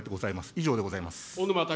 以上でございます。